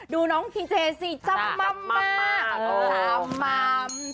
ดูน้องพีเจสิจำม่ำมากจำม่ำจำม่ำ